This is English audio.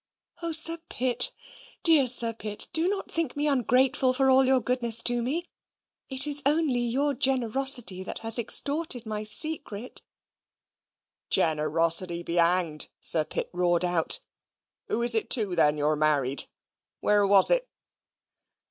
"O Sir Pitt, dear Sir Pitt, do not think me ungrateful for all your goodness to me. It is only your generosity that has extorted my secret." "Generosity be hanged!" Sir Pitt roared out. "Who is it tu, then, you're married? Where was it?"